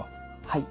はい。